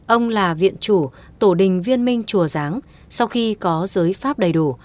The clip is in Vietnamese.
ông là viện chủ tổ đình viên minh chùa giáng sau khi có giới pháp đầy đủ